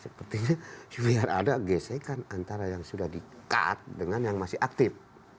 sepertinya biar ada gesekan antara yang sudah di cut dengan yang masih aktif